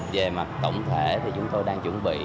về mặt tổng thể thì chúng tôi đang chuẩn bị